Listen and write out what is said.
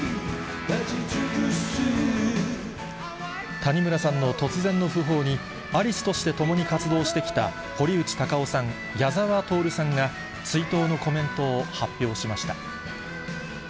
谷村さんの突然の訃報に、アリスとして共に活動してきた堀内孝雄さん、矢沢透さんが、追悼のコメントを発表しました。